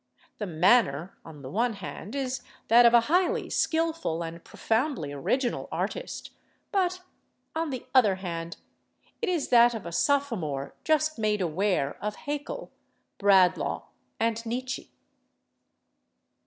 The manner, on the one hand, is that of a highly skillful and profoundly original artist, but on the other hand it is that of a sophomore just made aware of Haeckel, Bradlaugh and Nietzsche.